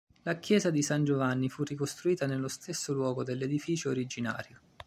La chiesa di San Giovanni fu ricostruita nello stesso luogo dell'edificio originario.